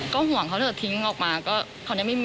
ก็หวังเค้าจะทิ้งออกมา